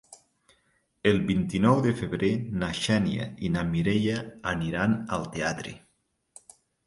El vint-i-nou de febrer na Xènia i na Mireia aniran al teatre.